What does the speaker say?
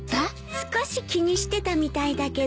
少し気にしてたみたいだけど。